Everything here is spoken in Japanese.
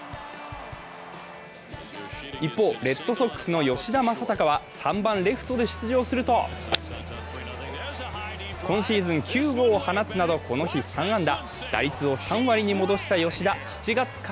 一方、レッドソックスの吉田正尚は３番レフトで出場すると今シーズン９号を放つなど、この日３安打。